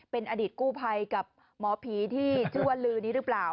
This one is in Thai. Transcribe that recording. เป็นอดีตกู้ภัยกับหมอผีที่ชื่อว่าลือนี้หรือเปล่า